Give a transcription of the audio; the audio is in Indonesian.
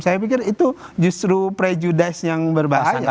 saya pikir itu justru prejudice yang berbahaya